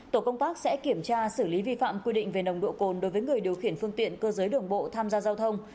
tổ công tác sẽ kiểm tra xử lý vi phạm quy định về nồng độ cồn đối với người điều khiển phương tiện cơ giới đường bộ tham gia giao thông